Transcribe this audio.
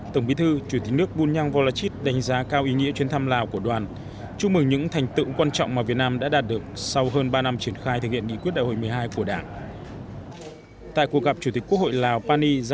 tổng bí thư chủ tịch nước bunyang volachit đánh giá cao ý nghĩa chuyến thăm lào của đoàn chúc mừng những thành tựu quan trọng mà việt nam đã đạt được sau hơn ba năm triển khai thực hiện nghị quyết đại hội một mươi hai của đảng